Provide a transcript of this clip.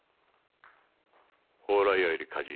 蓬莱屋より梶井。